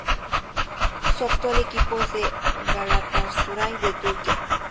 Su actual equipo es el Galatasaray de Turquía.